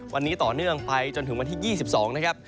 วันนี้ต่อเนื่องไปจนถึงวันที่๒๒นะครับ